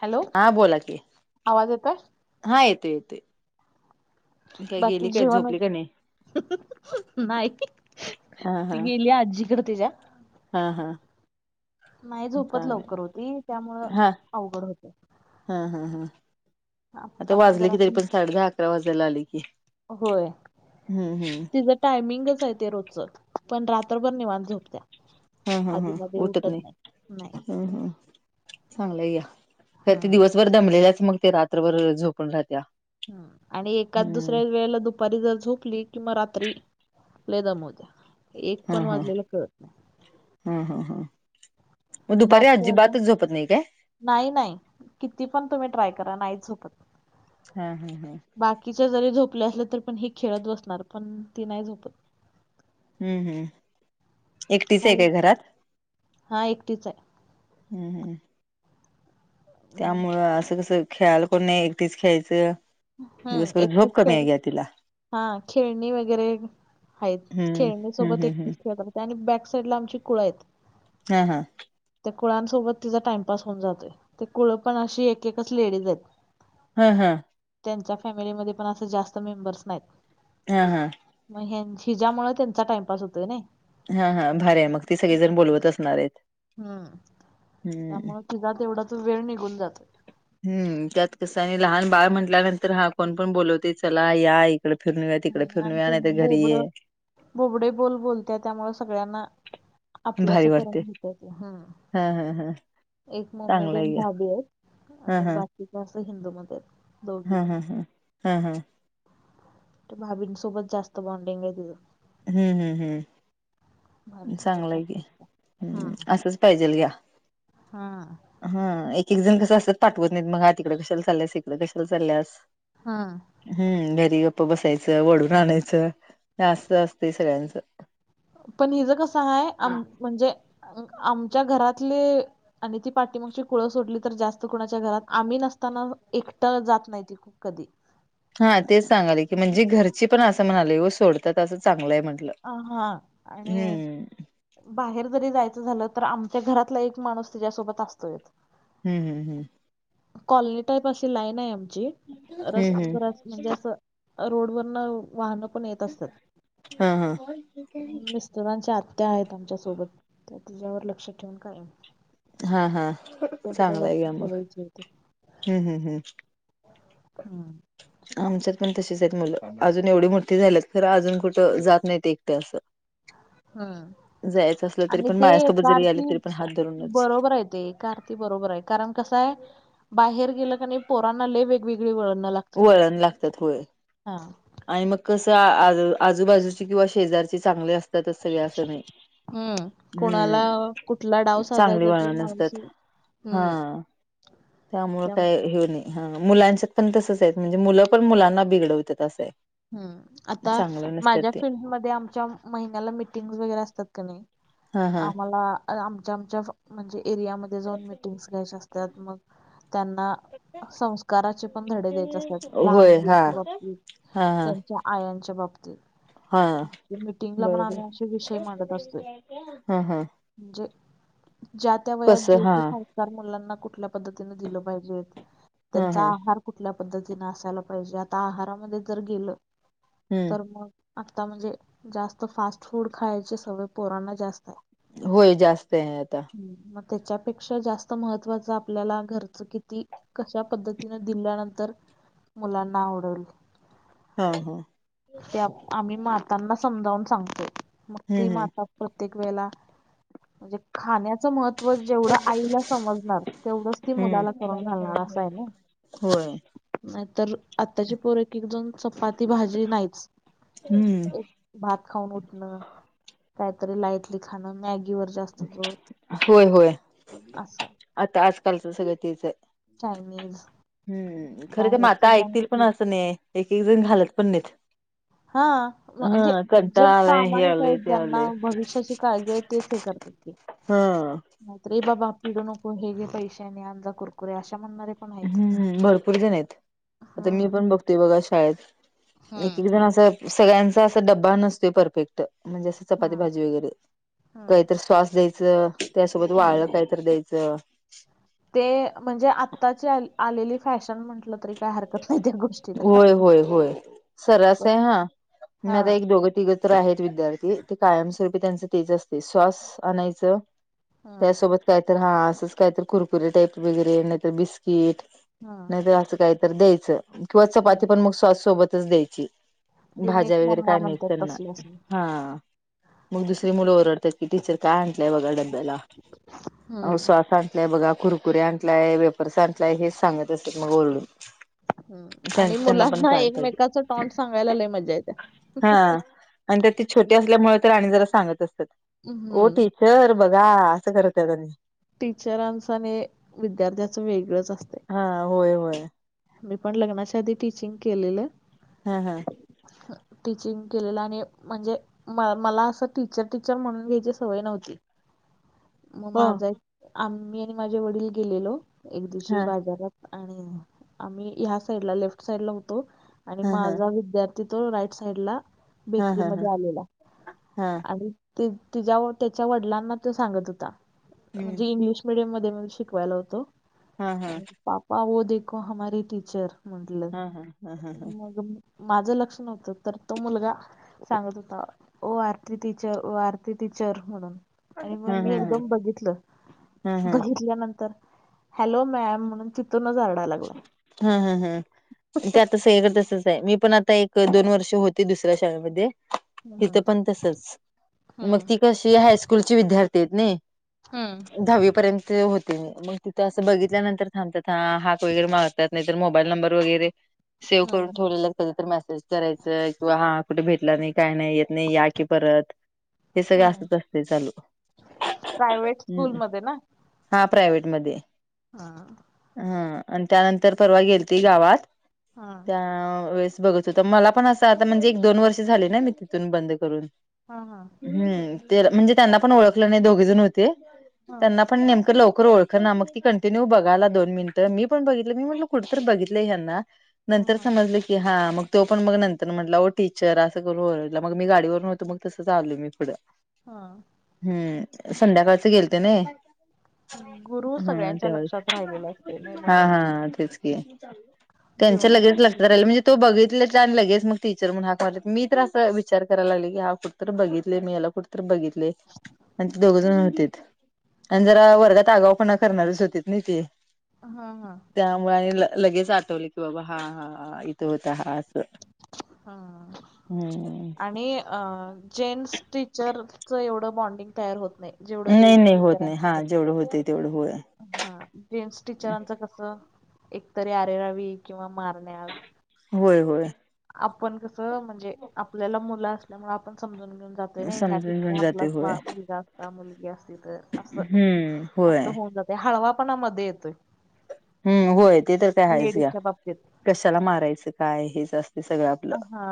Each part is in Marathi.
हॅलो हा बोला कि आवाज येतोय हा येते येते बाकी जेवण नाही हा हा ती गेली आजीकडे तिच्या हा हा नाही झोपत चालेल लवकर होती त्यामुळं हा अवघड होत हा हा हा आता पण वाजले जरा की तरी पण साडे दहा अकरा वाजायला आले की होय हम्म हम्म त ज टायमिंगच आहे ते रोजच पण रात्रभर निवाण झोपत्या आधी म उठत नाही नाही हम् हम् चांगलं या ख ते दिवस वर दमलेल्याच मग ते रात्रभर झोपून राहत्या आणि एकाच हम्म दुसऱ्या वेळेला दु दुपारी जर झोपली किंवा रात्री ले द मोद्या एक हा पण हा वाजलेला कळत नाही हा हा हां बाकी अजून काय नाही नाही किती पण तुम्ही ट्राय करा नाहीच झोपत हा हा हा बाकीच्या जरी झोपले असले तरी पण हेी खेळत बसणार पण ती नाही झोपत हम्म हम्म एकटीच आहे काय घरात हा एकटीच आहे हम् हम हम्म त्यामुळं असं कसं खेळाला कोण नाही एकटीच खेळायचं हम्म, दिवसभर एकटीच झोप कमी खेळ आहे घ्या तिला हा खेळणी वगैरे आहेत हम्म हम्म खेळणीसोबत हम्म हम्म एकच खेळ करते आणि बॅक साइड ला आमची कुळ आहेत हा हा त्या कुळांसोबत तिचा टाइमपास होऊन जातोय ते कुळ पण अशी एक एकच लेडीज आहेत हा हा त्यांच्या फॅमिलीमध्ये पण असे जास्त मेंबर्स नाहीत हा हा मग हिज्यामुळे त्यांचा टाइमपास होतोय नाही हा हा भारी आहे मग ती सगळीजण बोलवत असणार आहेत हम्म हं. त्यामु कि जातात तेवढा त वेळ निघून जातो हम् त्यात कसं आणि लहान बाळ म्हटल्यानंतर हा कोण पण बोलवते चला याय तिकडे फिरून तिकडे फिरून आणि ते आणण्या तर घरी बोबड आहे बोबडे बोल बोलत्या त्यामुळे सगळ्यांना आपलं अस भारी परण वाटते. हो हम हां, हां, हां. एक चांगलं आहे मोमेडियन की. भाभी आहेत आणि बाकीकीच असत हिंदू मध्ये दोघी हा जण हा हा हा हा भाभींसोबत जास्त बॉन्डिंग आहे तिथं हम्म हम्म हम् भाभीसोबत चांगलंय जास्त की असतं हा हम् असंच पाहिजेल घ्या हा हा एक एक जण कसं असतात पाठवत नाहीत मग आ तिकडे कशाला चालीयास इकडें कशाला चालीयास. हा! हम्म घरी गप्पा बसायचं वढून आणायचं हे असंच असतंय सगळ्यांचं. पण हिज कसं आहे म्हणजे आ आमच्या घरातले आणि ती पाठीमागची कुळं सोडली तर जास्त कुणाच्या घरात आम्ही नसताना एकटं जात नाही ती कधी. हा तेच सांगायलोय की म्हणजे घरची पण असं म्हणाले व सोडतात असं चांगलंय म्हटलं. अ हा आणि बाहेर जरी जायचं झालं तर आमच्या घरातला एक माणूस तिच्यासोबत असतोय. हम् हम् हम! कॉलनी टाईप अशी लाईन आहे आमची रस हम्म हम्म हम्म रस म्हणजे असं रोड वरन वाहनं पण येत असतात. हा हा! मिस्टरांच्या आत्या आहेत आमच्या सोबत त्या तिच्यावर लक्ष ठेवून कायम हा हा त्यांच्या चांगला आहे जास्त ग मग सवयीचे हम् हम् हम्म. हम्! आमच्यात पण तशीच आहेत मुलं अजून एवढी मोठी झाल्यात खरं अजून कुठं जात नाहीत एकटं असं. हम्म जायचं असलं तरी आणि पण ते माझ्यासोबत एका जरी आले आर्थी तरी पण हात धरूनच बरोबर आहे ते. का अर्थी बरोबर आहे कारण कसय बाहेर गेलं क नाही पोरांना लले वेगवेगळी वळणं लाग वळण लागत्यात होय. आणि मग कसं आजूबाजूची किंवा शेजारची चांगले असतातच सगळे असं नाही. हम्म. कोणाला कुठला डाव हम्म चांगली साधायचा ते वळण माणूस नसत्यात हा. हम्म. त्यामुळ त्यामुळे काय ह्यो नाही. हा मुलांच्यात पण तसच आहे म्हणजे मुलं पण मुलांना बिघडवत्यात असं आहे. हम्म आता चांगलं नसतात माझ्या ते फिल्ड मध्ये आमच्या महिन्याला मिटिंग्स वगैरे असतात का नाय हा हा आम्हाला आमच्या आमच्या म्हणजे एरियामध्ये जाऊन मिटिंग्स घ्यायच्या अस त्यात मग त्यांना संस्काराचे पण धडे द्यायचे असतात लहान होय हा मुलाच्या बाबतीत. हा हा त्यांच्या आयांच्या बाबतीत. हा मिटिंगला पण बरोबर आम्ही अशे विषय मांडत असतोय. हा हा म्हणजे ज्या त्या वयात कसं जेे हा ते संस्कार मुलांना कुठल्या पद्धतीने दिलं पाहिजेत. हा त्यांचा हा आहार कुठल्या पद्धतीन असायला पाहिजे आता आहारामध्ये जर गेलं तर हम्म मग आता म्हणजे जास्त फास्ट फूड खायचे सवय पोरांना जास्त आहे. होय जास्त आहे आता! मग त्याच्यापेक्षा जास्त महत्त्वाच आपल्याला घरच किती कशा पद्धतीन दिल्यानंतर मुलांना आवडवल. हा हा! ते आम्ही मातांना समजावून सांगतो मग ती हम्म माता प्रत्येक वेळाला म्हणजे खाण्याचं महत्त्व जेवढं आईला समजणार तेवढंच ती हम्म मुलाला करून घालणार असं आहे हम्म ना. होय! नाहीतर आत्ताची पोर एक एक जण चपाती भाजी नाहीच. हम्म भात खाऊन उठणं काहीतरी लायट ली खाणं मॅगीवर जास्त जोर होय होय अस. आता आजकालचं सगळं तेच आहे. चायनीज! हम्म खरे काय बाहेरच माता जंक ऐकतील पण फूड असं नाही एक एक जण घालत पण नाहीत. हा म्हणजे हा जे कंटाळा आलाय हे प्रामाणिक आलंय आहेत ते ज्यांना आलंय भविष्याची काळजी आहे तेच हे करतील की. हा! म रे बाबा आप पिडू नको हेे पैशाने अजा करकुरे अशा म्हणणार रे. हम्मम् भरपूर जण आहेत आता मी हम्म पण बघतोय बघा शाळेत. एक एक हम्म जण असं सगळ्यांचा अस डबा नसतोय परफेक्ट म्हणजे अस. चपाती हम्म भाजी वगैरे हम्म काहीतर स्वास द्यायचं त्यासोबत हम्म वाळ काहीतरी द्यायचं. ते म्हणजे आत्ताची आलेली फॅशन म्हटलं तरी काय हरकत नाही त्या गोष्टीला होय होय होय सरस आहे पण हा. हा न एक दोघं तिघ. आहेत विद्यार्थी ते कायमस्वरूपी त्यांच तेच असते श्वास आणायचं. हम्म त्यासोबत कायत हा असंच कायत कुरकुरी टाईप वगैरे नाहीतर बिस्किट हम्म नाही तर असं काही तर द्यायचं किंवा चपाती पण मग श्वास सोबतच द्यायची. युनिक भाज्या वगैरे मम्मा काय नाही म्हणतात त्यांना तसल्यासनी हा. मग दुसरी मुलं ओरडतात की टीचर काय आणलंय बघा डब्याला अ हम्म श्वास आण. य बघा कुरकुरी आणलाय वेपर्स आणलाय हेच सांगत असते मग ओरडून हम् आणि त्यांना पण मुलांना कळायला पाहिजे एकमेकाच टॉनट सांगायला ल मजा येते. आणिंतर ती छोटी असल्यामुळे तर आणि जरा सांगत असतात ओ हम्म टठी चर बघा असं करत आहेतानी. टीचरांच आणि विद्यार्थ्याचं वेगळंच असतं. हा होय होय मी पण लग्नाच्या आधी टीचिंग केलेलं. हा हा टीचिंग केलेलं आणि म्हणजे म मला असं टीचर टीचर म्हणून घ्यायची सवय नव्हती. मग हो माझा आम्ही आणि माझे वडील गेलेलो एक दिवशी हा बाजारात. आणि आम्ही ह्या साईड ला लेफ्ट साईड ला होतो आणि हा हा माझा विद्यार्थ. तिथो राईट साईड ला हा बेकरी हा म हा आलेला हा आणि त त्याच्या वडिलांना तो सांगत होता हम्म म्हणजे इंगल मीडियम मध्ये म शिकवायला होतो. हा हा. आणि पापा व देखो हमारे टीचर म्हटल हा हा हा हा हा हा हा माझं लक्ष नव्हतं तर तो मुलगा. सांगत होता ओ आरती टीचर आरती टीचर म्हणून आणि मग मी हम्म एकदम बघितलं हम्म हम्म बघितल्यानंतर हॅलो मॅम म्हणून चितूनचडाला हा हा हा ते आता सेगतस. मी पण आता एक दोन वर्ष होते दुसऱ्या शाळेमध्ये हम्म तिथं पण तसच मग हम्म ती कशी हायस्कूलची विद्यार्थी आहेत ना हम्म दहावी पर्यंत होते म मग तिथं असं बघितल्यानंतर थांबत हा मोबाईल नंबर वगैरे सेव्ह हम्म करून हम्म ठेवलेलो. कधीत मेसेज करायच किंवा हा कुठे भेटला नाही काही नाही येत नाही या कि परत हे सगळं हम्म. असच असते चालू प्रायव्हेट हम्. स्कूलमध्ये ना हा प्रायव्टमध्येध्ये हा हा आणि त्यानंतर परवा गेल त गावात हा त्या वळेस. बघत होत मला पण असं आता म्हणजे एक दोन वर्ष झाले ना मी तिथून बंद करून हा हा हम् ते म्हणजे त्यांना पण ओळखलं नाही दोघे जण होते हा त्यांना पण नेमकं लवकर ओळख ना मग ती कंटिन्यू बघाला दोन मिनटं मी ण बघित मी म्हट कुठ बघितलंना हा नंतर हा समजलं की हा मग तो पण मग नंतर म्हटला टीचर असं करून ओरलं मग मी गाडीवरून होतो मग तसंच आवल मी पुढं. हा हम्म संध्याकाळच गेल ते नाही गुरुवार सगळ्यांच्या लक्षात राहिलेला असतोय नाही म नंत ह तेच की त्यांच्या जीवनात लगेच लक्षात राहिल म्हणजे तो बघितला आणि लगेच मग टीचर म्हणून हाक मारली मी तर अस विचार कराय लागले की हा कुठतर बघितले मी याला कुठतर बघितलं लय आणि ती दोघ जण होते आणि जरा वर्गात आगावपणा करणारीच होतीत नाही ती हा हा त्यामुळे आणि ल लगेच आठवले की बाबा हा हा तो होता असं हम्म अ जेन्स टीचरच एवढं बॉन्डिंग तयार होत नाही. जेवढं नाही लेडीज नाही होत नाही टीचरांचं हा होते जेवढं होतय तेवढं होय हा. जेन्ट्स टीचरांचं कस एकतरी आरेरावी किंवा मारण्यात होय होय आपण कसं म्हणजे आपल्याला मुलं आपल्यामुळे आपण समजून घेऊन जातोय नई ह्या समजून ठिकाणी घेऊन जाते आपलाच होय बा मुलगा असता मुलगी अस ते तर असं हम्म होय आपलं होऊन जातय. हळवापणा मध्ये येतोय हम्, होय ते तर काय हायच घ्या. लेडीजच्या बाबतीत कशाला मारायचं काय हेच असतय सगळं.. आपलं अ. हा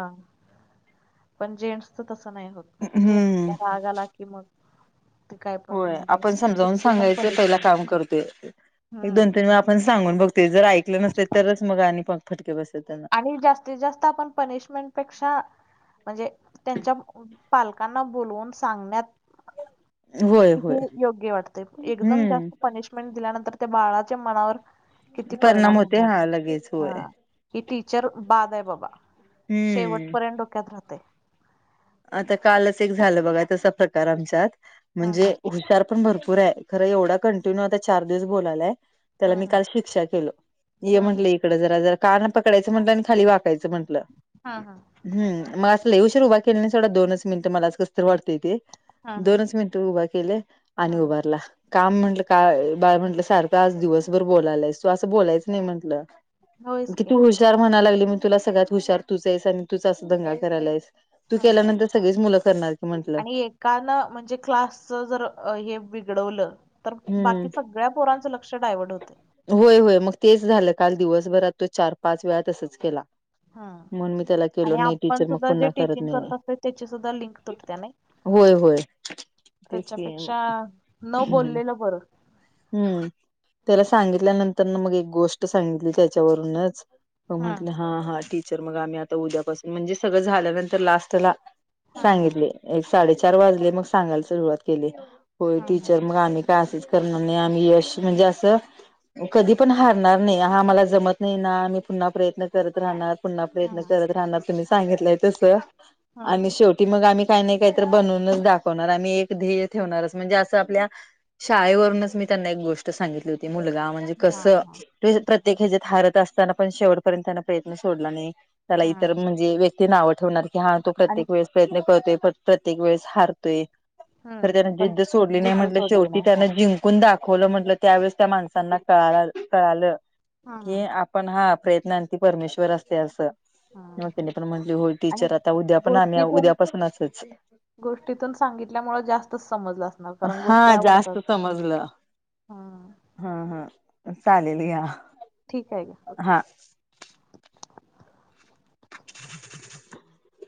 पण जेंट्स तर तसं नाही होत. हम्म जेंट्सला राग आला की मग ते काय पण होय म्हणजे आपण समजावून कुठली पण सांगायच पहिला पनिशमेंट काम करतोय. एक हम्म दोन तीन वेळा पण सांगून बघते जर ऐकलं नसते तरच मग आणि मग फटके बसत्यात त्यांना आणि जास्तीत जास्त आपण पनिशमेंट पेक्षा म्हणजे त्यांच्या पालकांना बोलवून सांगण्यात होय होय हे योग्य वाटतय एकदम हम्म जास्त पनिशमेंट दिल्यानंतर त्या बाळाच्या मनावर किती परिणाम होते होणार हा लगेच होय हा. कि टीचर बाद आहे बाबा हम्म शेवटपर्यंत डोक्यात राहतय. आता कालच एक झालं बघा तसा प्रकार आमच्यात हा म्हणजे हा हुशार पण भरपूर हाय खरं एवढा कंटिन्यू आता चार दिवस बोलालाय. त्याला हा मी काल शिक्षा केलो ये हा हा म्हटलं इकडं जरा जरा कान पकडायचं म्हटलं आणि खाली वाक म्हटलं. हा हा हा हम्म, म असं लई उशिर उभा केल नाही सोडा दोनच मिनिटं कसततर वाटतंय ते हा हा दोनच मिनटं उभा केले हा आणि उभारला काम हा म्हंटलं का बाळ म्हटलं सारखं तु आता दिवसभर बोलालाईस तु असं बोलायचं नाही म्हटलं. होयच की किती हुश हुशार म्हणा लागली मी तुला सगळयांत हुशार तुच आहेस आणि तुच अस दंगा करालाईस. तू हा केल्यानंतर सगळीच मुलं करणार की म्हटलं. का ना म्हणजे क्लासच जर हे बिघडवलं तर बाकी हम्म सगळ्या पोरांच लक्ष क्ष डायवर्ट होतय. होय, होय मग तेच झालं काल दिवसभरात तो चार पाच वेळा तसच केला. हा म्हणून मी त्याला केलो आणि नाही आपण टीचर मग सुद्धा जे पुन्हा टीचिंग नाही करत असतोय त्याची सुद्धा लिंक तुटतिया नई. होय, होय तेच की त्याच्यापेक्षा न बोललेलं बरं हम्म त्याला सांगितल्यानंतर न मग एक गोष्ट सांगितली त्याच्यावरूनच म म्हटलं हा, हा टीचर मग आम्ही आता उद्यापासून म्हणजे सगळं झाल्यानंतर लास्टला हा हा सांगितले एक साडेचार वाजले मग सांगायला सुरुवात केली होय हा हा टीचर मग आम्ही ते असच करणार नाही आम्ही यश म्हणजे असं कधी पण हारणार नाही हा मला जमत नाही ना मी पुन्हा प्रयत्न करत राहणार. पुन्हा हा प्रयत्न करत राहणार तुम्ही सांगितलंय तस आणि हा शेवटी ते मग आम्ही काही नाही काहीतर बनूनच दाखवणार आम्ही एक ध्येय ठेवणारच म्हणजे असं आपल्या शाळेवरूनच मी त्यांना एक गोष्ट सांगितली होती मुलगा म्हणजे हा कसं हा प्रत्येक ह्याच्यात हारत असताना पण शेवटपर्यंत त्यांना प्रयत्न सोडला नाही त्याला हा इतर म्हणजे व्यक्ती ते नावं ठेवणार की हा तो आणि प्रत्येक वेळेस प्रयत्न करतोय प्रत्येक वेळेस हारतोय खर हम्म त्याना पण जिद्द सोडली नाही जिद्द म्हटलं सोडली शेवटी नाही हा त्यांना जिंक ून दाखवलं म्हंटलं त्यावेळेस त्या माणसांना क कळालं हा की पण हा प्रयत्न ती परमेश्वर असते असं हा म त्यानी पण म्हंली हो आणि टीचर आता उद्या पण आम्ही गोष्टीतून उद्यापासून असच गोष्टीतून सांगितल्यामुळे जास्त समज असणार कारण गोष्टी हा आवडतात जास्त समजलं हां हा हा चालेल घ्या ठीक आहे ओके हा [inaudible]